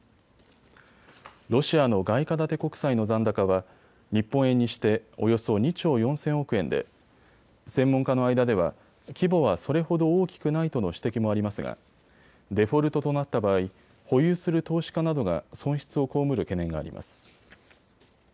ロシアの外貨建て国債の残高は日本円にしておよそ２兆４０００億円で専門家の間では規模は、それほど大きくないとの指摘もありますがデフォルトとなった場合、保有する投資家などが損失を被る懸念があります。